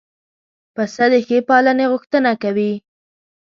پسه د ښې پالنې غوښتنه کوي.